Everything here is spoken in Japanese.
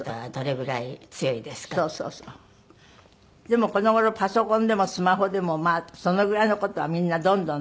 でもこの頃パソコンでもスマホでもそのぐらいの事はみんなどんどんね。